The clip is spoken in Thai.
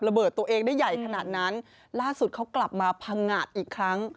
ตัวเองได้ใหญ่ขนาดนั้นล่าสุดเขากลับมาพังงาดอีกครั้ง